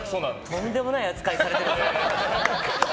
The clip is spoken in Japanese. とんでもない扱いされてるんですね。